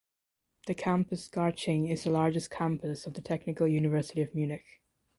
The Campus Garching is the largest campus of the Technical University of Munich.